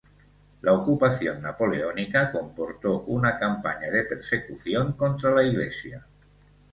La Ocupación Napoleónica comportó una campaña de persecución contra la iglesia.